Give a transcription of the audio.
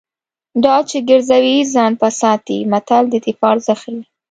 ډال چې ګرځوي ځان به ساتي متل د دفاع ارزښت ښيي